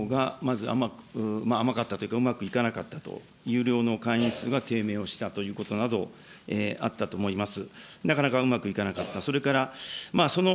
残念ながら国内事業がまず甘かったというか、うまくいかなかったと、有料の会員数が低迷をしたということなどあったと思います。